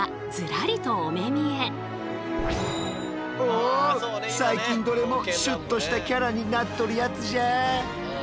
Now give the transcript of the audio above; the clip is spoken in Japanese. お最近どれもシュッとしたキャラになっとるやつじゃ！